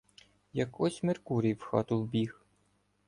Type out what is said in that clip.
Як ось Меркурій в хату вбіг!